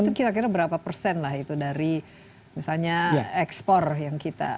itu kira kira berapa persen lah itu dari misalnya ekspor yang kita